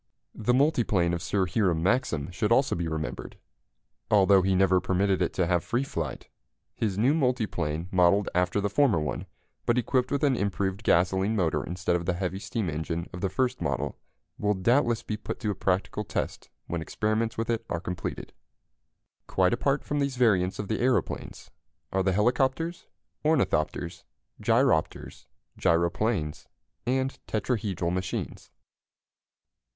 The multiplane of Sir Hiram Maxim should also be remembered, although he never permitted it to have free flight. His new multiplane, modelled after the former one, but equipped with an improved gasoline motor instead of the heavy steam engine of the first model, will doubtless be put to a practical test when experiments with it are completed. [Illustration: Sir Hiram Maxim standing beside his huge multiplane.] Quite apart from these variants of the aeroplanes are the helicopters, ornithopters, gyropters, gyroplanes, and tetrahedral machines.